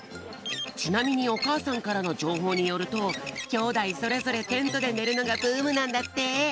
ちなみにおかあさんからのじょうほうによるときょうだいそれぞれテントでねるのがブームなんだって。